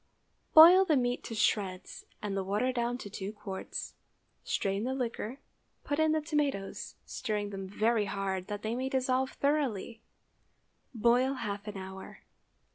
Boil the meat to shreds and the water down to two quarts. Strain the liquor, put in the tomatoes, stirring them very hard that they may dissolve thoroughly; boil half an hour.